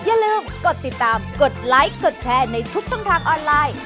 อย่าลืมกดติดตามกดไลค์กดแชร์ในทุกช่องทางออนไลน์